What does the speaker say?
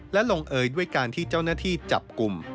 และลงเอยด้วยการที่เจ้าหน้าที่จับกลุ่ม